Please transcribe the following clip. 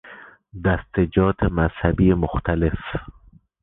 دستجات مذهبی مختلف